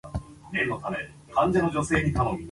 Their home field was Aloha Stadium.